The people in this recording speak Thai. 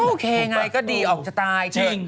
ก็โอเคไงก็ดีออกสไตล์